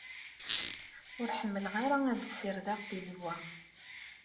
Ur ḥemmleɣ ara ad ssirdeɣ tizewwa.